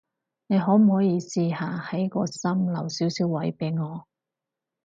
但你可唔可以試下喺個心留少少位畀我？